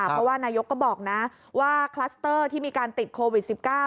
เพราะว่านายกก็บอกนะว่าคลัสเตอร์ที่มีการติดโควิด๑๙